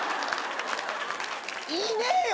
いねえよ